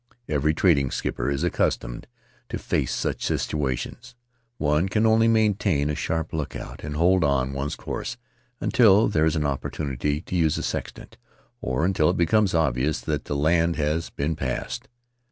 Every trading skipper is accustomed to face such situations; one can only maintain a sharp lookout and hold on one's course until there is an opportunity to use the sextant, or until it becomes obvious that the land has been passed.